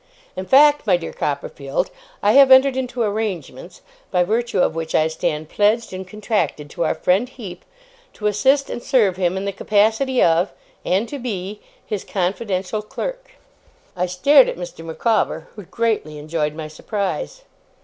In fact, my dear Copperfield, I have entered into arrangements, by virtue of which I stand pledged and contracted to our friend Heep, to assist and serve him in the capacity of and to be his confidential clerk.' I stared at Mr. Micawber, who greatly enjoyed my surprise.